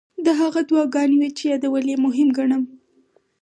دا هغه دعاګانې وې چې یادول یې مهم ګڼم.